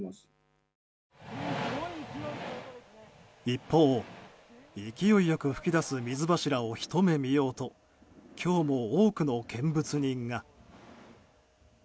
一方、勢いよく噴き出す水柱をひと目見ようと今日も多くの見物人が。